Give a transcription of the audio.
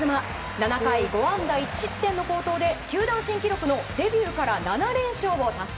７回５安打１失点の好投で球団新記録のデビューから７連勝を達成。